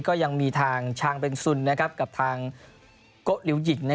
ก็ยังมีทางชางเป็นสุลและทางเก๊ะเหลวหยิน